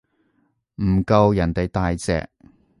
唔夠人哋大隻